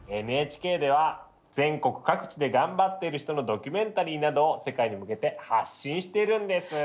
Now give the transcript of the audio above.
ＮＨＫでは全国各地で頑張ってる人のドキュメンタリーなどを世界に向けて発信しているんです。